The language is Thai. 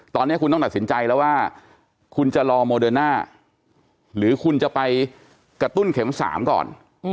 ตอนนี้คุณต้องตัดสินใจแล้วว่าคุณจะรอโมเดิร์น่าหรือคุณจะไปกระตุ้นเข็ม๓ก่อน